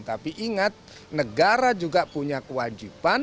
tapi ingat negara juga punya kewajiban